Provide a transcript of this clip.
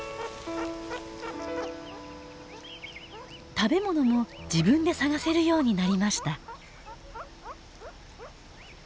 食べ物も自分で探せるようになりました。